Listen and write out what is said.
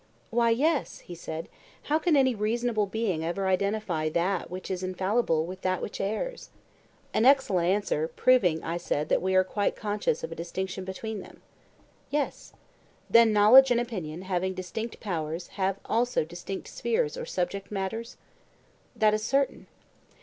Why, yes, he said: how can any reasonable being ever identify that which is infallible with that which errs? An excellent answer, proving, I said, that we are quite conscious of a distinction between them. Yes. Then knowledge and opinion having distinct powers have also distinct spheres or subject matters? That is certain.